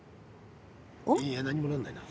いや何もなんないな。